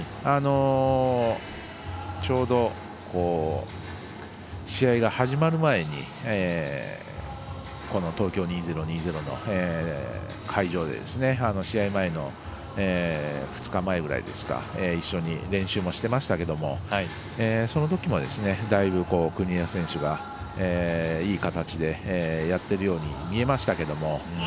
ちょうど試合が始まる前にこの東京２０２０の会場で試合前の２日前ぐらいに一緒に練習もしてましたけどもそのときも、だいぶ国枝選手がいい形でやっているように見えましたけども。